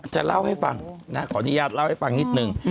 จะเล่าให้ฟังนะขออนุญาตเล่าให้ฟังนิดนึง